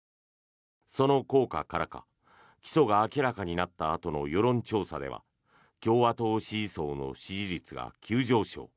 その効果からか起訴が明らかになったあとの世論調査では共和党支持層の支持率が急上昇。